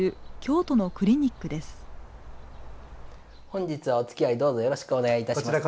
本日はおつきあいどうぞよろしくお願いいたします。